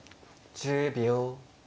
１０秒。